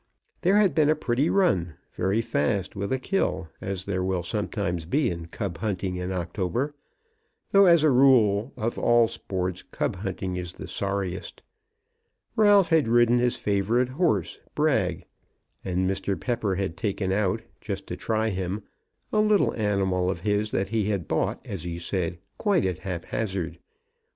There had been a pretty run, very fast, with a kill, as there will be sometimes in cub hunting in October, though as a rule, of all sports, cub hunting is the sorriest. Ralph had ridden his favourite horse Brag, and Mr. Pepper had taken out, just to try him, a little animal of his that he had bought, as he said, quite at haphazard.